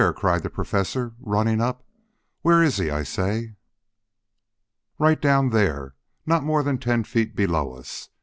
cried the Professor, running up. "Where is he, I say?" "Right down there, not more than ten feet below us.